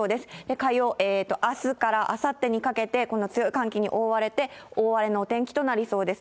火曜、あすからあさってにかけて、この強い寒気に覆われて、大荒れのお天気となりそうです。